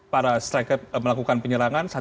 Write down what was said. para striker melakukan penyerangan